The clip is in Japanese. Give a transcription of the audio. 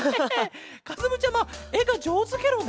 かずむちゃまえがじょうずケロね。